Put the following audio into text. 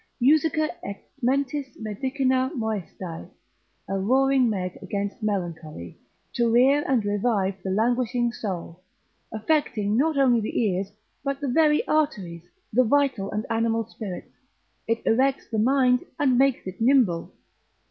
Musica est mentis medicina moestae, a roaring meg against melancholy, to rear and revive the languishing soul; affecting not only the ears, but the very arteries, the vital and animal spirits, it erects the mind, and makes it nimble.